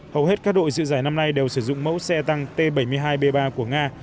hầu hết các đội dự giải năm nay đều sử dụng mẫu xe tăng t bảy mươi hai b ba của nga